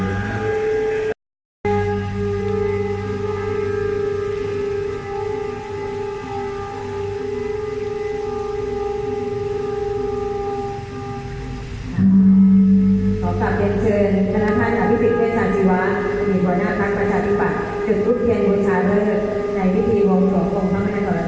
มีระบบประเศษจากนักพิษภูมิที่แห่งราวมือครับ